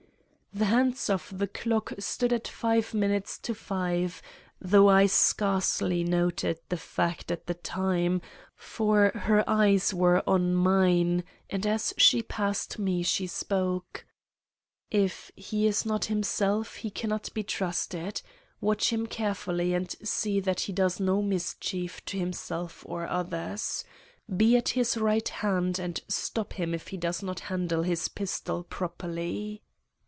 The hands of the clock stood at five minutes to five, though I scarcely noted the fact at the time, for her eyes were on mine, and as she passed me she spoke: "If he is not himself, he cannot be trusted. Watch him carefully, and see that he does no mischief to himself or others. Be at his right hand, and stop him if he does not handle his pistol properly."